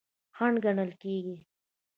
خنډ ګڼل کیږي.